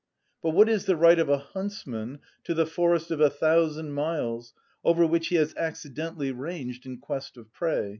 But what is the right of a huntsman to the forest of a thousand miles over which he has accidentally ranged in quest of prey?"